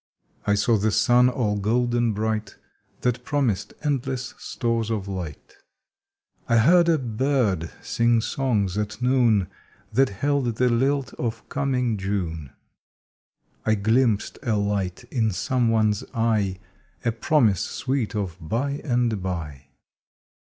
I saw the sun all golden bright That promised endless stores of light. I heard a bird sing songs at noon That held the lilt of coining June. I glimpsed a light in some one s eye, A promise sweet of "by and by."